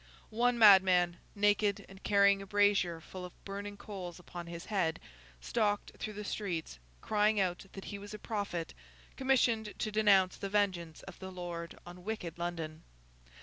One madman, naked, and carrying a brazier full of burning coals upon his head, stalked through the streets, crying out that he was a Prophet, commissioned to denounce the vengeance of the Lord on wicked London.